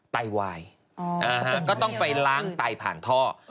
ไตวายก็ต้องไปล้างไตผ่านท่อ